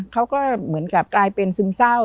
เขาก็เหมือนกับกลายเป็นซึมเศร้า